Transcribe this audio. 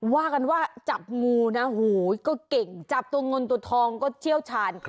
ว่ากันว่าจับงูนะโหก็เก่งจับตัวเงินตัวทองก็เชี่ยวชาญ